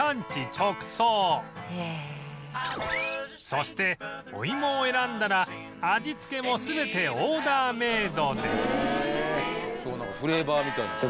そしてお芋を選んだら味付けも全てオーダーメイドで